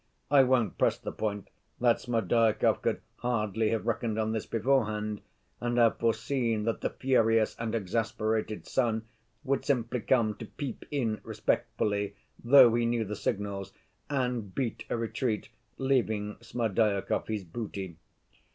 I won't press the point that Smerdyakov could hardly have reckoned on this beforehand, and have foreseen that the furious and exasperated son would simply come to peep in respectfully, though he knew the signals, and beat a retreat, leaving Smerdyakov his booty.